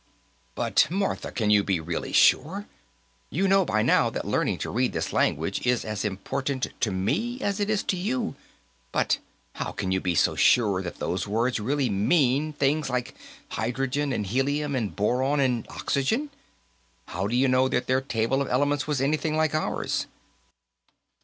"But, Martha, can you be really sure? You know, by now, that learning to read this language is as important to me as it is to you, but how can you be so sure that those words really mean things like hydrogen and helium and boron and oxygen? How do you know that their table of elements was anything like ours?"